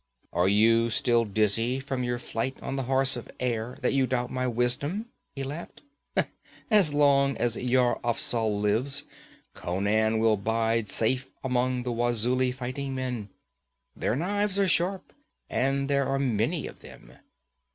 'Are you still dizzy from your flight on the horse of air, that you doubt my wisdom?' he laughed. 'As long as Yar Afzal lives, Conan will bide safe among the Wazuli fighting men. Their knives are sharp, and there are many of them.